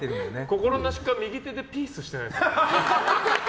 心なしか右手でピースしてないですか。